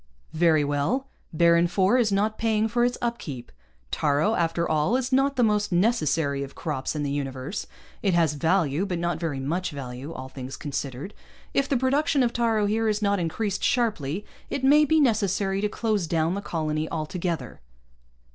"Very well. Baron IV is not paying for its upkeep. Taaro, after all, is not the most necessary of crops in the universe. It has value, but not very much value, all things considered. If the production of taaro here is not increased sharply, it may be necessary to close down the colony altogether."